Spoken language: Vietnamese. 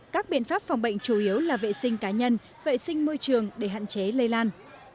các biện pháp phòng bệnh chủ yếu là vệ sinh cá nhân vệ sinh môi trường để hạn chế lây lan